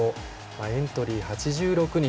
エントリー、８６人。